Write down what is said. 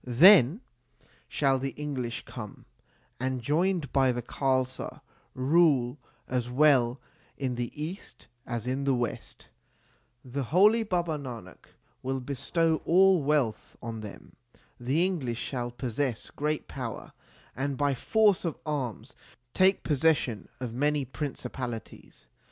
Then shall the English come, and, joined by the Khalsa, rule as well in the East as in the West. The holy Baba Nanak will bestow all wealth on them. The English shall possess great power and by force of arms take possession of many principalities.